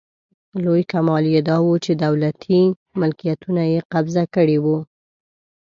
لوی کمال یې داوو چې دولتي ملکیتونه یې قبضه کړي وو.